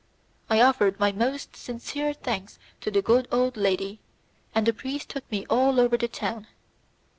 I offered my most sincere thanks to the good old lady, and the priest took me all over the town.